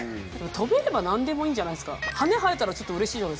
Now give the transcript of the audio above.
飛べれば何でもいいんじゃないすか。